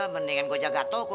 mendingan gue jaga toko